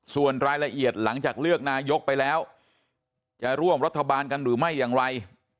ส่วนรายละเอียดหลังจากเลือกนายกไปแล้วจะร่วมรัฐบาลกันหรือไม่อย่างไร